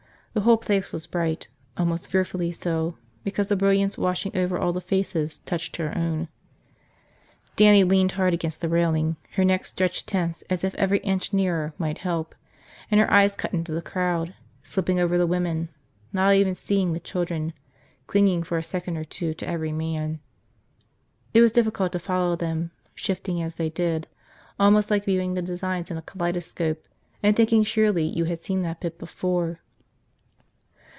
The whole place was bright, almost fearfully so because the brilliance washing over all the faces touched her own. Dannie leaned hard against the railing, her neck stretched tense as if every inch nearer might help, and her eyes cut into the crowd, slipping over the women, not even seeing the children, clinging for a second or two to every man. It was difficult to follow them, shifting as they did – almost like viewing the designs in a kaleidoscope and thinking surely you had seen that bit before.